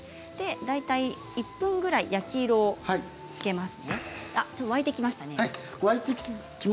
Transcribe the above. １分ぐらい焼き色をつけます。